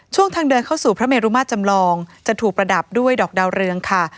ทางเดินเข้าสู่พระเมรุมาตรจำลองจะถูกประดับด้วยดอกดาวเรืองค่ะ